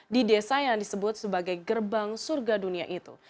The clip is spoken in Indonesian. di desa yang disebut sebagai gerbang surga dunia itu